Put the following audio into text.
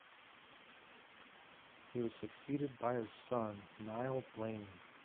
He was succeeded by his son, Niall Blaney.